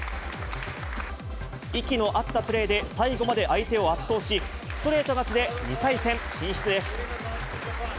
息の合ったプレーで、最後まで相手を圧倒し、ストレート勝ちで２回戦進出です。